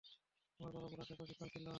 তোমার বাবা ঘোড়া প্রশিক্ষক ছিল।